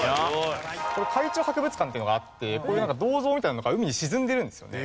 海中博物館っていうのがあってこういう銅像みたいなのが海に沈んでるんですよね。